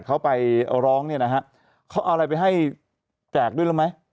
เขาไปร้องเนี่ยนะฮะเขาเอาอะไรไปให้แจกด้วยแล้วไหม